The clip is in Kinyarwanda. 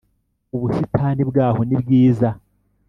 ubusitani bwaho nibwiza.